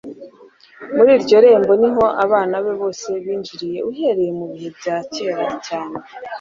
Muri iryo rembo ni ho abana be bose binjiriye, uhereye mu bihe bya kera cyane.